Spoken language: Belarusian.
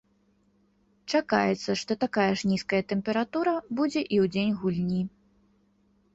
Чакаецца, што такая ж нізкая тэмпература будзе і ў дзень гульні.